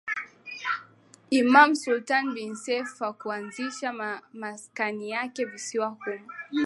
Imam Sultan bin Seif hakuanzisha maskani yake visiwani humo